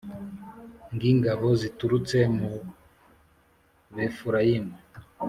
ng ingabo ziturutse mu befurayimu